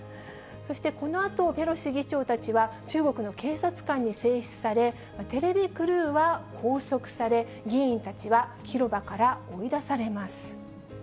そして、このあと、ペロシ議長たちは中国の警察官に制止され、テレビクルーは拘束され、議員たちは広場から追い出されます。